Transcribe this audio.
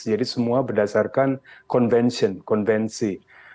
jadi semua berdasarkan konvensi